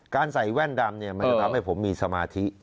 การใส่แว่นดำมันจะทำให้ผมมีสมาธิ